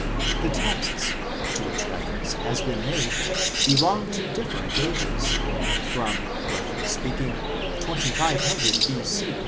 The texts l to which reference has been made belong to different ages, from, roughly speaking, 2500 B.C.